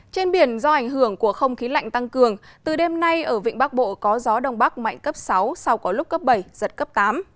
trên biển do ảnh hưởng của không khí lạnh tăng cường từ đêm nay ở vịnh bắc bộ có gió đông bắc mạnh cấp sáu sau có lúc cấp bảy giật cấp tám